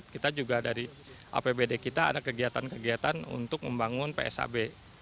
kita juga dari apbd kita ada kegiatan kegiatan untuk membangun psab